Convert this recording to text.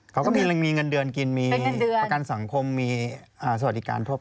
เขาก็มีเงินเดือนกินมีประกันสังคมมีสวัสดิการทั่วไป